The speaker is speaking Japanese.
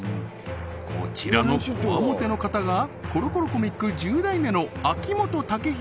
こちらのコワモテの方がコロコロコミック１０代目の秋本武英